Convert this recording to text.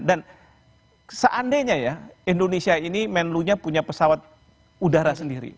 dan seandainya ya indonesia ini menelunya punya pesawat udara sendiri